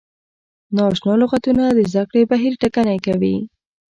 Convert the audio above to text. نا اشنا لغتونه د زده کړې بهیر ټکنی کوي.